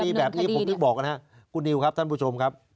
มีแบบนี้ผมถึงบอกนะครับคุณนิวครับท่านผู้ชมครับ